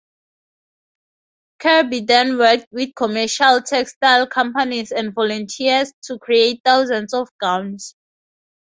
Kirby then worked with commercial textile companies and volunteers to create thousands of gowns.